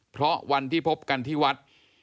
เพราะวันที่พบกันที่วัด